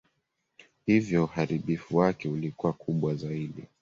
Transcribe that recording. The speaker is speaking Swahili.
Hivyo uharibifu wake ulikuwa kubwa zaidi.